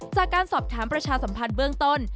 จากการสอบถามประชาสัมพันธ์เบื้องต้น